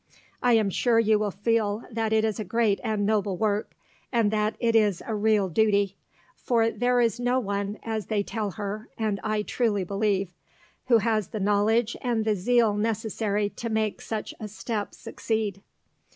I am sure you will feel that it is a great and noble work, and that it is a real duty; for there is no one, as they tell her, and I believe truly, who has the knowledge and the zeal necessary to make such a step succeed."